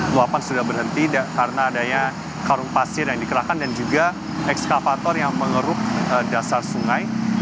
luapan sudah berhenti karena adanya karung pasir yang dikerahkan dan juga ekskavator yang mengeruk dasar sungai